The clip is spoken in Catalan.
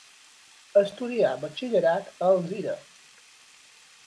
Estudià batxillerat a Alzira.